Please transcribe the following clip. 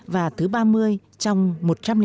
và thứ ba mươi trong một trăm linh năm quốc gia